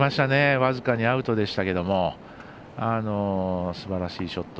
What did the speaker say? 僅かにアウトでしたけどもすばらしいショット。